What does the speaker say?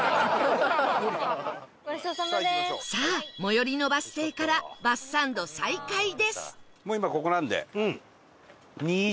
さあ最寄りのバス停からバスサンド再開です